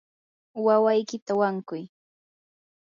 wawaykita wankuy.